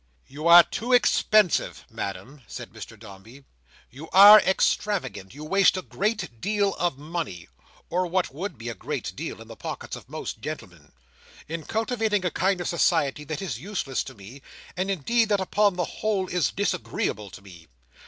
"You are too expensive, Madam," said Mr Dombey. "You are extravagant. You waste a great deal of money—or what would be a great deal in the pockets of most gentlemen—in cultivating a kind of society that is useless to me, and, indeed, that upon the whole is disagreeable to me.